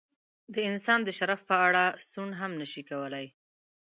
د انسان د شرف په اړه سوڼ هم نشي کولای.